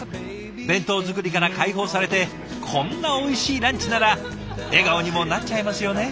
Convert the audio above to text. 弁当作りから解放されてこんなおいしいランチなら笑顔にもなっちゃいますよね。